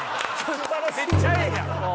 めっちゃええやん！